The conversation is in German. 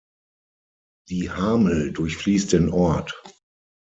Die Hamel durchfließt den Ort.